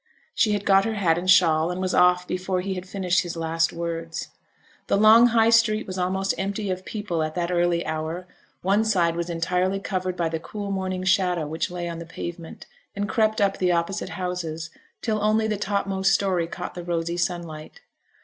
She had got her hat and shawl, and was off before he had finished his last words. The long High Street was almost empty of people at that early hour; one side was entirely covered by the cool morning shadow which lay on the pavement, and crept up the opposite houses till only the topmost story caught the rosy sunlight.